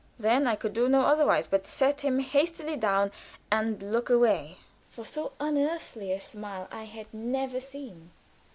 Then I could do no otherwise than set him hastily down and look away, for so unearthly a smile I had never seen.